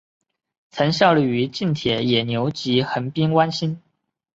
曾效力于近铁野牛及横滨湾星。